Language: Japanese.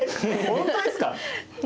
本当ですか？